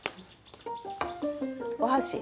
お箸。